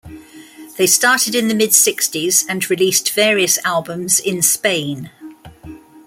They started in the mid sixties and released various albums in Spain.